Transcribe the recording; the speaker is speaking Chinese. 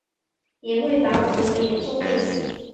也会打鼓和演奏贝斯。